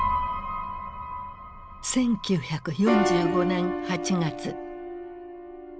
１９４５年８月。